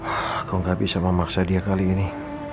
aku gak bisa memaksa dia kali ini